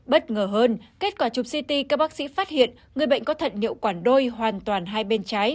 bất ngờ hơn kết quả chụp ct các bác sĩ phát hiện người bệnh có thận nhậu quản đôi hoàn toàn hai bên trái